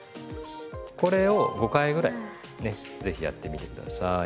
これを５回ぐらいね是非やってみて下さい。